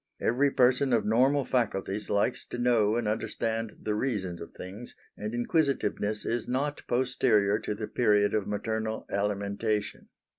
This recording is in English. Every person of normal faculties likes to know and understand the reasons of things; and inquisitiveness is not posterior to the period of maternal alimentation.